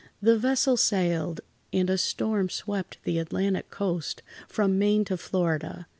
The vessel sailed—and a storm swept the Atlantic coast from Maine to Florida.